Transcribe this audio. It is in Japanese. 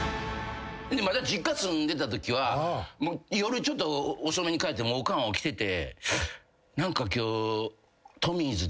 まだ実家住んでたときは夜遅めに帰ってもおかん起きてて。